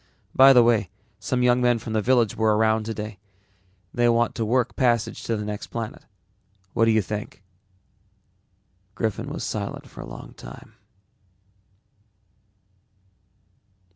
By the way, some young men from the village were around today. They want to work passage to the next planet. What do you think?" Griffin was silent for a long time.